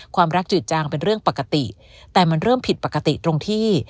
ความรักจืดจางเป็นเรื่องปกติแต่มันเริ่มผิดปกติตรงที่